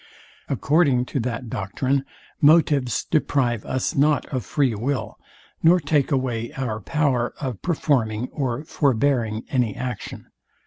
According to that doctrine, motives deprive us not of free will, nor take away our power of performing or forbearing any action.